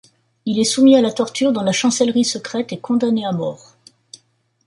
Il est soumis à la torture dans la Chancellerie secrète et condamné à mort.